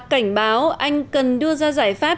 cảnh báo anh cần đưa ra giải pháp